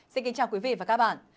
xin kính chào quý vị và các bạn